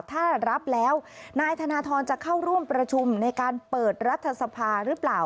ถ้ารับแล้วนายธนทรจะเข้าร่วมประชุมในการเปิดรัฐสภาหรือเปล่า